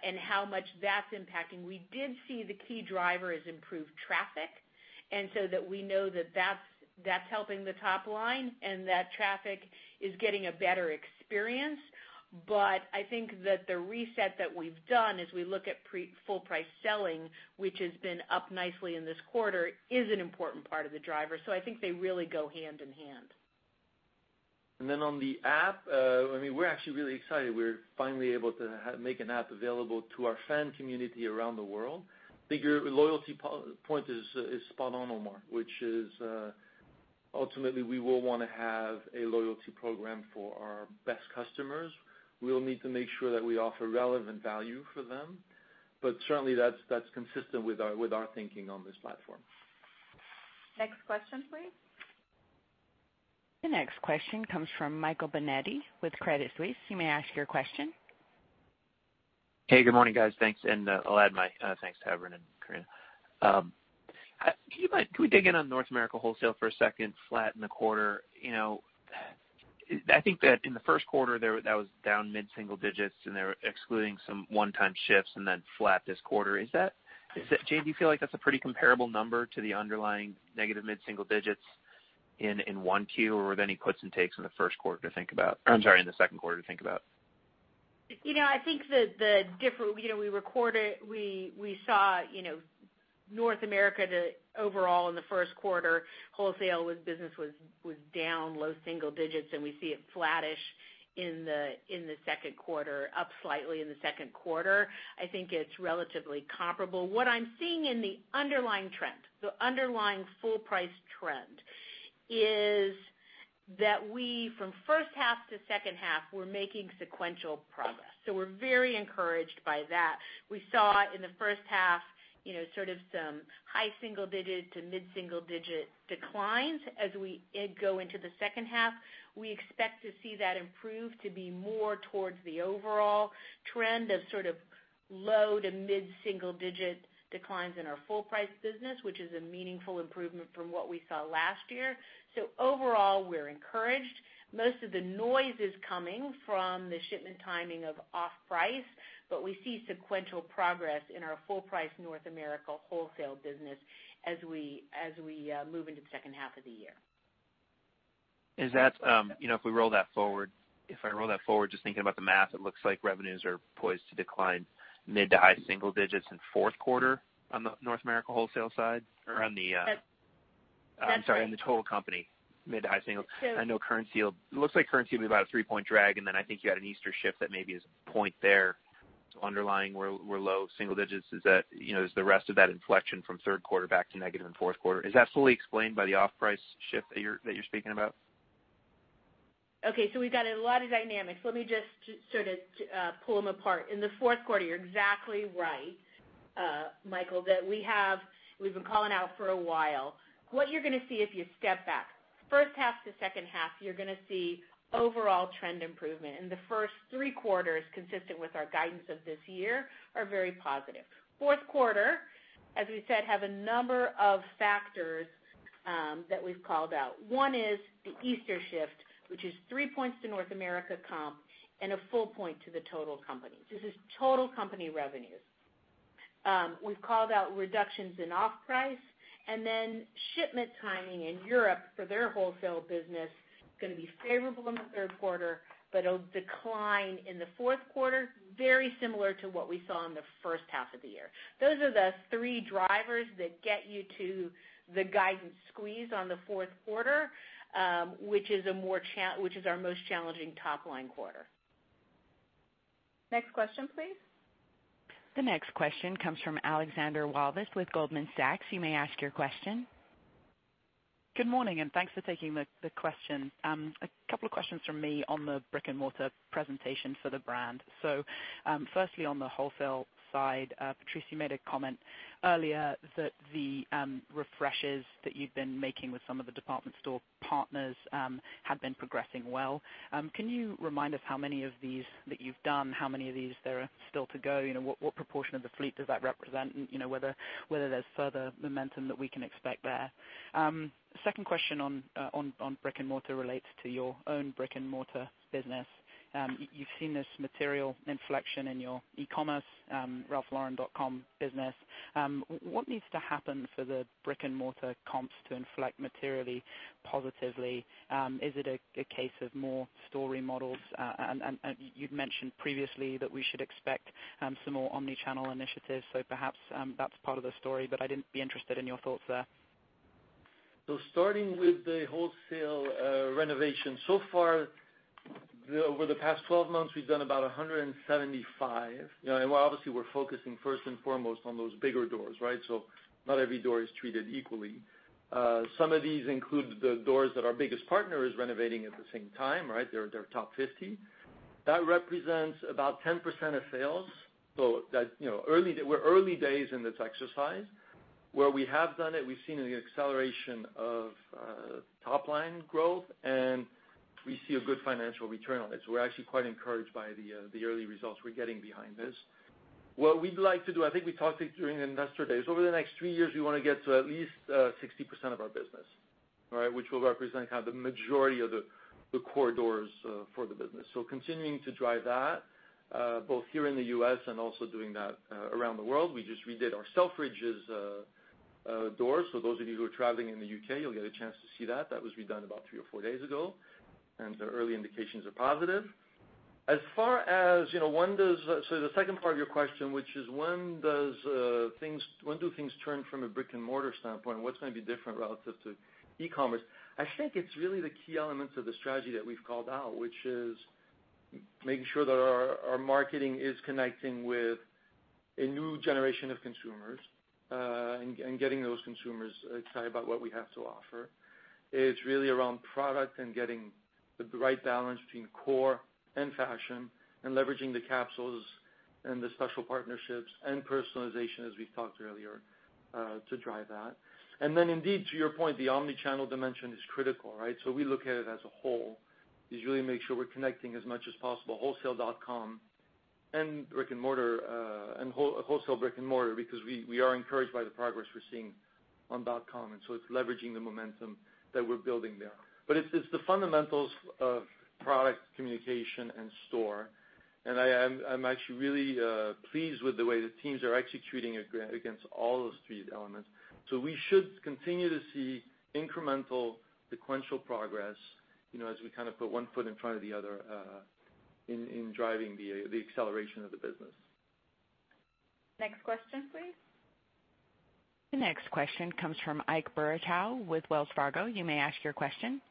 and how much that's impacting. We did see the key driver is improved traffic, and so that we know that that's helping the top line, and that traffic is getting a better experience. I think that the reset that we've done as we look at full price selling, which has been up nicely in this quarter, is an important part of the driver. I think they really go hand in hand.
On the app, we're actually really excited. We're finally able to make an app available to our fan community around the world. I think your loyalty point is spot on, Omar, which is, ultimately, we will want to have a loyalty program for our best customers. We'll need to make sure that we offer relevant value for them. Certainly that's consistent with our thinking on this platform.
Next question please.
The next question comes from Michael Binetti with Credit Suisse. You may ask your question.
Hey, good morning, guys. Thanks, and I'll add my thanks to Evren and Corinna. Can we dig in on North America wholesale for a second, flat in the quarter? I think that in the first quarter, that was down mid-single digits, and they were excluding some one-time shifts and then flat this quarter. Jane, do you feel like that's a pretty comparable number to the underlying negative mid-single digits in one Q or are there any puts and takes in the first quarter to think about in the second quarter?
I think we saw North America overall in the first quarter, wholesale business was down low single digits, and we see it flattish in the second quarter, up slightly in the second quarter. I think it's relatively comparable. What I'm seeing in the underlying trend, the underlying full price trend, is that we, from first half to second half, we're making sequential progress. We're very encouraged by that. We saw in the first half, sort of some high-single-digit to mid-single-digit declines. As we go into the second half, we expect to see that improve to be more towards the overall trend of sort of low-to-mid-single-digit declines in our full price business, which is a meaningful improvement from what we saw last year. Overall, we're encouraged. Most of the noise is coming from the shipment timing of off-price, we see sequential progress in our full price North America wholesale business as we move into the second half of the year.
If I roll that forward, just thinking about the math, it looks like revenues are poised to decline mid-to-high single digits in fourth quarter on the North America wholesale side or on the
That's right
I'm sorry, on the total company, mid-to-high single. It looks like currency will be about a 3-point drag, and then I think you had an Easter shift that maybe is a point there. Underlying, we're low single digits. Is the rest of that inflection from third quarter back to negative in fourth quarter, is that fully explained by the off-price shift that you're speaking about?
We've got a lot of dynamics. Let me just sort of pull them apart. In the fourth quarter, you're exactly right, Michael, that we've been calling out for a while. What you're going to see if you step back, first half to second half, you're going to see overall trend improvement. In the first three quarters consistent with our guidance of this year, are very positive. Fourth quarter, as we said, have a number of factors that we've called out. One is the Easter shift, which is 3 points to North America comp and a full point to the total company. This is total company revenues. We've called out reductions in off-price, shipment timing in Europe for their wholesale business is going to be favorable in the third quarter, it'll decline in the fourth quarter, very similar to what we saw in the first half of the year. Those are the three drivers that get you to the guidance squeeze on the fourth quarter, which is our most challenging top-line quarter.
Next question, please.
The next question comes from Alexandra Walvis with Goldman Sachs. You may ask your question.
Good morning, thanks for taking the question. A couple of questions from me on the brick-and-mortar presentation for the brand. Firstly, on the wholesale side, Patrice, you made a comment earlier that the refreshes that you'd been making with some of the department store partners have been progressing well. Can you remind us how many of these that you've done, how many of these there are still to go? What proportion of the fleet does that represent, and whether there's further momentum that we can expect there? Second question on brick-and-mortar relates to your own brick-and-mortar business. You've seen this material inflection in your e-commerce, ralphlauren.com business. What needs to happen for the brick-and-mortar comps to inflect materially positively? Is it a case of more store models? You'd mentioned previously that we should expect some more omni-channel initiatives, perhaps that's part of the story, I'd be interested in your thoughts there.
Starting with the wholesale renovation. So far, over the past 12 months, we've done about 175. Obviously, we're focusing first and foremost on those bigger doors, right? Not every door is treated equally. Some of these include the doors that our biggest partner is renovating at the same time, right? Their top 50. That represents about 10% of sales. We're early days in this exercise. Where we have done it, we've seen an acceleration of top-line growth, we see a good financial return on it. We're actually quite encouraged by the early results we're getting behind this. What we'd like to do, I think we talked during Investor Days, over the next three years, we want to get to at least 60% of our business. Which will represent the majority of the core doors for the business. Continuing to drive that, both here in the U.S. and also doing that around the world. We just redid our Selfridges door. Those of you who are traveling in the U.K., you'll get a chance to see that. That was redone about three or four days ago, the early indications are positive. The second part of your question, which is when do things turn from a brick-and-mortar standpoint, what's going to be different relative to e-commerce? I think it's really the key elements of the strategy that we've called out, which is making sure that our marketing is connecting with a new generation of consumers, getting those consumers excited about what we have to offer. It's really around product getting the right balance between core and fashion, leveraging the capsules the special partnerships and personalization, as we've talked earlier, to drive that. Indeed, to your point, the omni-channel dimension is critical. We look at it as a whole, is really make sure we're connecting as much as possible wholesale.com and brick-and-mortar, wholesale brick-and-mortar, because we are encouraged by the progress we're seeing on .com. It's leveraging the momentum that we're building there. It's the fundamentals of product communication and store, and I'm actually really pleased with the way the teams are executing against all those three elements. We should continue to see incremental sequential progress as we put one foot in front of the other in driving the acceleration of the business.
Next question, please.
The next question comes from Ike Boruchow with Wells Fargo. You may ask your question.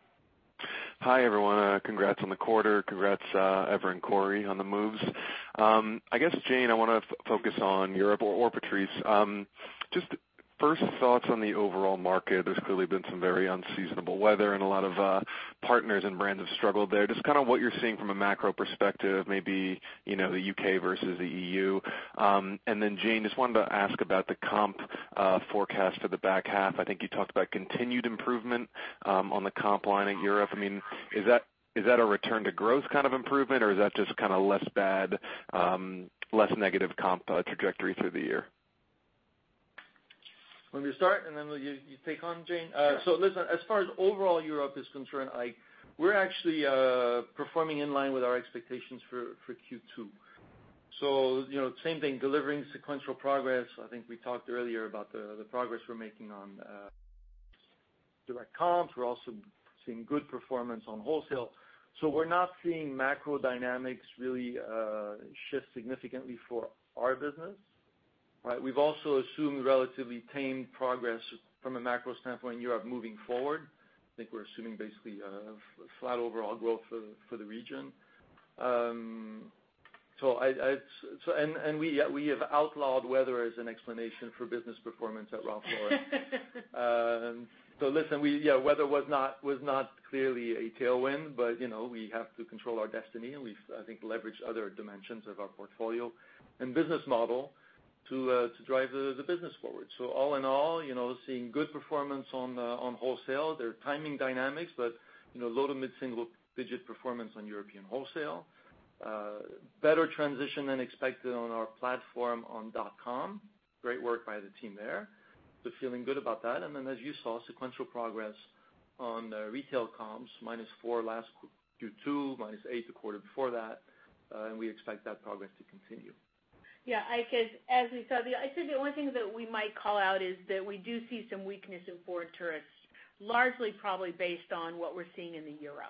Hi, everyone. Congrats on the quarter. Congrats, Evren, Cori, on the moves. Jane, I want to focus on Europe, or Patrice. First thoughts on the overall market. There's clearly been some very unseasonable weather, and a lot of partners and brands have struggled there. What you're seeing from a macro perspective, maybe the U.K. versus the EU. Jane, wanted to ask about the comp forecast for the back half. I think you talked about continued improvement on the comp line in Europe. Is that a return to growth kind of improvement, or is that just less bad, less negative comp trajectory through the year?
Let me start, then you take on, Jane. Listen, as far as overall Europe is concerned, Ike, we're actually performing in line with our expectations for Q2. Same thing, delivering sequential progress. I think we talked earlier about the progress we're making on direct comps. We're also seeing good performance on wholesale. We're not seeing macro dynamics really shift significantly for our business. We've also assumed relatively tame progress from a macro standpoint in Europe moving forward. I think we're assuming basically a flat overall growth for the region. We have outlawed weather as an explanation for business performance at Ralph Lauren. Listen, weather was not clearly a tailwind, but we have to control our destiny, and we've, I think, leveraged other dimensions of our portfolio and business model to drive the business forward. All in all, seeing good performance on wholesale. There are timing dynamics, but low to mid-single-digit performance on European wholesale. Better transition than expected on our platform on .com. Great work by the team there. Feeling good about that. Then as you saw, sequential progress on the retail comps, minus 4 last Q2, minus 8 the quarter before that. We expect that progress to continue.
Yeah, Ike, as we saw, I'd say the only thing that we might call out is that we do see some weakness in foreign tourists, largely probably based on what we're seeing in the euro.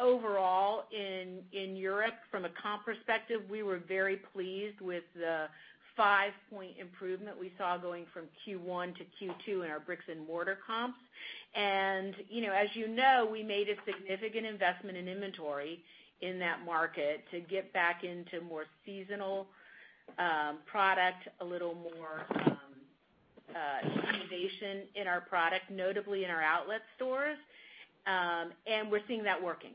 Overall in Europe, from a comp perspective, we were very pleased with the 5-point improvement we saw going from Q1 to Q2 in our bricks-and-mortar comps. As you know, we made a significant investment in inventory in that market to get back into more seasonal product, a little more innovation in our product, notably in our outlet stores. We're seeing that working.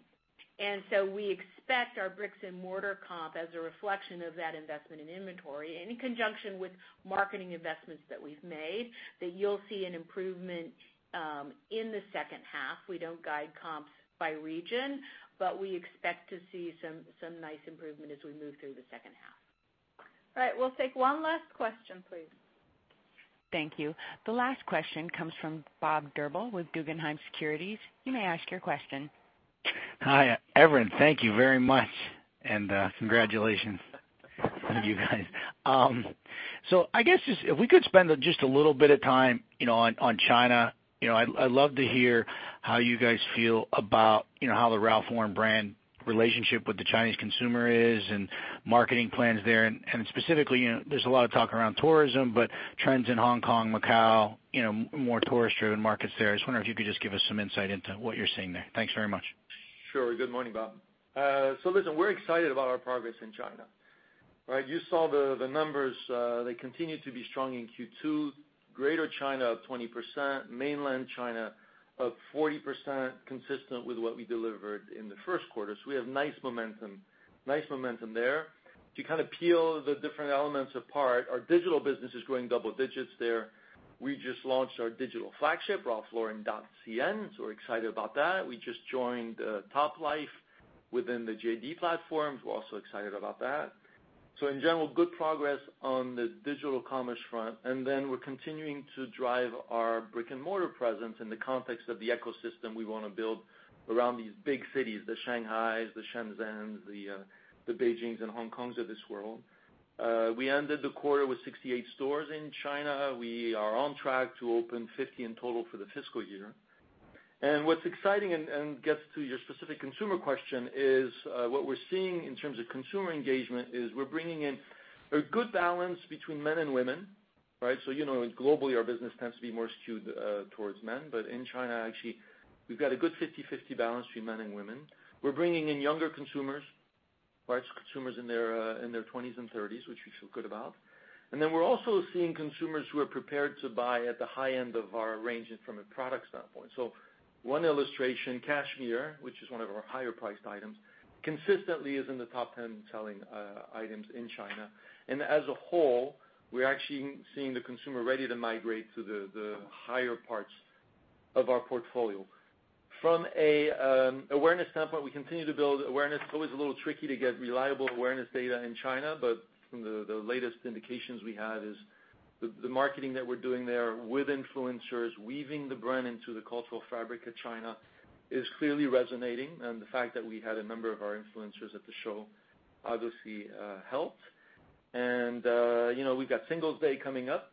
We expect our bricks-and-mortar comp as a reflection of that investment in inventory, and in conjunction with marketing investments that we've made, that you'll see an improvement in the second half. We don't guide comps by region, but we expect to see some nice improvement as we move through the second half. All right, we'll take one last question, please.
Thank you. The last question comes from Bob Drbul with Guggenheim Securities. You may ask your question.
Hi, Evren. Thank you very much, congratulations to you guys. I guess if we could spend just a little bit of time on China. I'd love to hear how you guys feel about how the Ralph Lauren brand relationship with the Chinese consumer is and marketing plans there. Specifically, there's a lot of talk around tourism, but trends in Hong Kong, Macau, more tourist-driven markets there. I just wonder if you could just give us some insight into what you're seeing there. Thanks very much.
Sure. Good morning, Bob. Listen, we're excited about our progress in China. You saw the numbers. They continued to be strong in Q2. Greater China up 20%, Mainland China up 40%, consistent with what we delivered in the first quarter. We have nice momentum there. To kind of peel the different elements apart, our digital business is growing double digits there. We just launched our digital flagship, ralphlauren.cn, we're excited about that. We just joined Toplife within the JD platform. We're also excited about that. In general, good progress on the digital commerce front, we're continuing to drive our brick-and-mortar presence in the context of the ecosystem we want to build around these big cities, the Shanghais, the Shenzhens, the Beijings and Hong Kongs of this world. We ended the quarter with 68 stores in China. We are on track to open 50 in total for the fiscal year. What's exciting, and gets to your specific consumer question, is what we're seeing in terms of consumer engagement is we're bringing in a good balance between men and women, right? You know, globally, our business tends to be more skewed towards men. In China, actually, we've got a good 50/50 balance between men and women. We're bringing in younger consumers, right? Consumers in their 20s and 30s, which we feel good about. Then we're also seeing consumers who are prepared to buy at the high end of our range from a product standpoint. One illustration, cashmere, which is one of our higher-priced items, consistently is in the top 10 selling items in China. As a whole, we're actually seeing the consumer ready to migrate to the higher parts of our portfolio. From an awareness standpoint, we continue to build awareness. It's always a little tricky to get reliable awareness data in China, from the latest indications we have is the marketing that we're doing there with influencers, weaving the brand into the cultural fabric of China is clearly resonating. The fact that we had a number of our influencers at the show obviously helped. We've got Singles' Day coming up,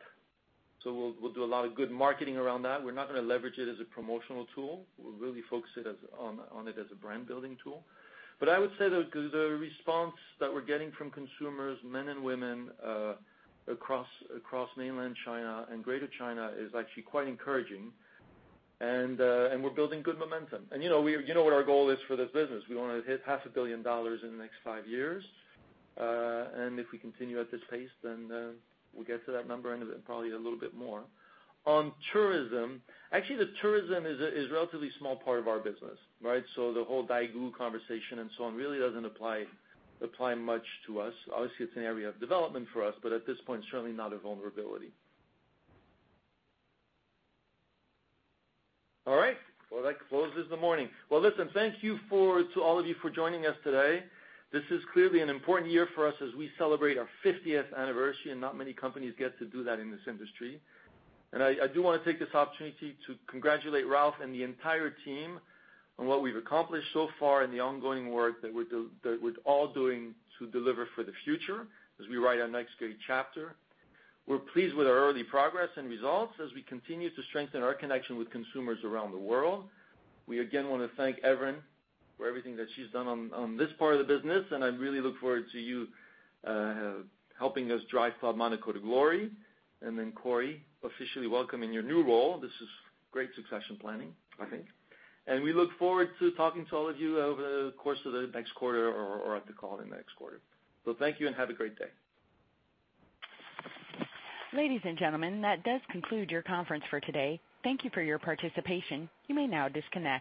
so we'll do a lot of good marketing around that. We're not going to leverage it as a promotional tool. We'll really focus on it as a brand-building tool. I would say the response that we're getting from consumers, men and women, across mainland China and Greater China is actually quite encouraging. We're building good momentum. You know what our goal is for this business. We want to hit half a billion dollars in the next five years. If we continue at this pace, then we'll get to that number and probably a little bit more. On tourism, actually, the tourism is a relatively small part of our business, right? The whole Daigou conversation and so on really doesn't apply much to us. Obviously, it's an area of development for us, but at this point, certainly not a vulnerability. All right. Well, that closes the morning. Well, listen, thank you to all of you for joining us today. This is clearly an important year for us as we celebrate our 50th anniversary, and not many companies get to do that in this industry. I do want to take this opportunity to congratulate Ralph and the entire team on what we've accomplished so far and the ongoing work that we're all doing to deliver for the future as we write our Next Great Chapter. We're pleased with our early progress and results as we continue to strengthen our connection with consumers around the world. We again want to thank Evren for everything that she's done on this part of the business, and I really look forward to you helping us drive Club Monaco to glory. Then Cori, officially welcome in your new role. This is great succession planning, I think. We look forward to talking to all of you over the course of the next quarter or after the call in the next quarter. Thank you and have a great day.
Ladies and gentlemen, that does conclude your conference for today. Thank you for your participation. You may now disconnect.